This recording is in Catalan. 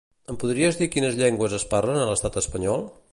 Em podries dir quines llengües es parlen a l'estat espanyol?